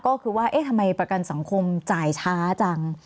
ก็คือว่าเอ๊ะทำไมประกันสังคมจ่ายช้าจัง